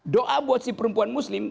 doa buat si perempuan muslim